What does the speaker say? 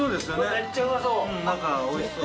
めっちゃうまそう。